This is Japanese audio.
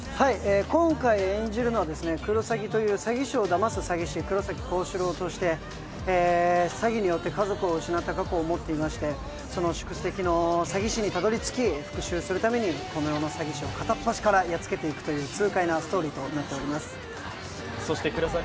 今回演じるのはクロサギという詐欺師をだます詐欺師として黒崎高志郎として詐欺によって家族を失った過去を持っていましてその宿敵の詐欺師にたどり着き復しゅうするためこの世の詐欺師を片っ端からやっつけていくという痛快なストーリーとなっています。